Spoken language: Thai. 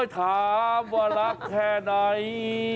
ถามว่ารักแค่ไหน